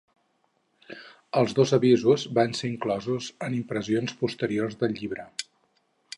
Els dos avisos van ser inclosos en impressions posteriors del llibret.